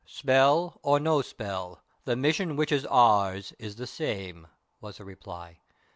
"Spell or no spell, the mission which is ours is the same," was the reply.